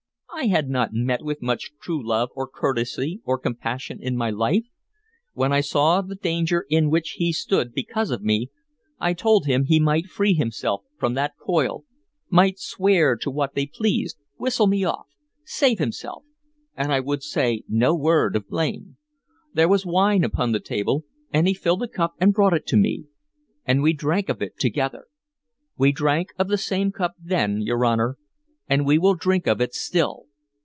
I had not met with much true love or courtesy or compassion in my life. When I saw the danger in which he stood because of me, I told him he might free himself from that coil, might swear to what they pleased, whistle me off, save himself, and I would say no word of blame. There was wine upon the table, and he filled a cup and brought it to me, and we drank of it together. We drank of the same cup then, your Honor, and we will drink of it still.